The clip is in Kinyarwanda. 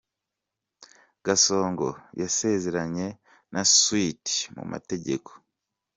Gasongo yasezeranye na Sweety mu mategeko.